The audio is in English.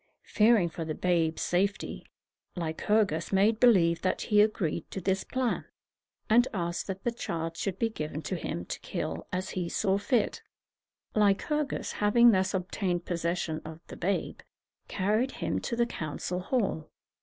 Fearing for the babe's safety, Lycurgus made believe that he agreed to this plan, and asked that the child should be given to him to kill as he saw fit. Lycurgus, having thus obtained possession of the babe, carried him to the council hall.